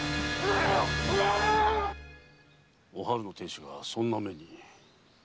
〕お春の亭主がそんな目に。